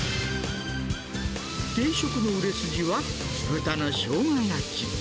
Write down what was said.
定食の売れ筋は、豚のショウガ焼き。